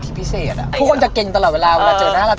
ทุกคนจะเกร็งตลอดเวลาเจอนะเหล่าเนี่ย